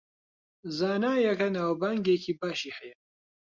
زانایەکە ناوبانگێکی باشی هەیە